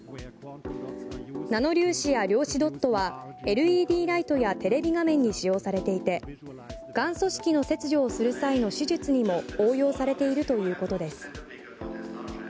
ナノ粒子や量子ドットはＬＥＤライトやテレビ画面に使用されていてがん組織の切除をする際の手術にも応用されているということです。